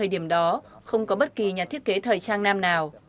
ở địa điểm đó không có bất kỳ nhà thiết kế thời trang nam nào